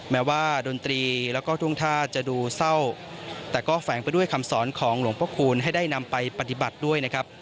แม้ว่าดนตรีแล้วก็ทุ่งท่าจะดูเศร้าแต่ก็แฝงไปด้วยคำสอนของหลวงพระคูณให้ได้นำไปปฏิบัติด้วยนะครับ